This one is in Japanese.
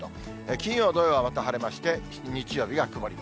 金曜、土曜はまた晴れまして、日曜日が曇り。